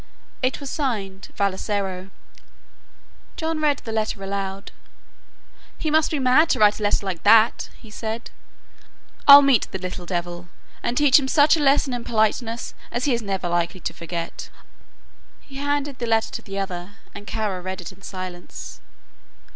It was signed "Vassalaro." John read the letter aloud. "He must be mad to write a letter like that," he said; "I'll meet the little devil and teach him such a lesson in politeness as he is never likely to forget." He handed the letter to the other and Kara read it in silence.